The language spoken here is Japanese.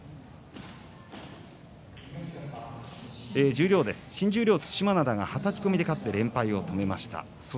十両の取組、新十両の對馬洋ははたき込みで勝って連敗を止めました。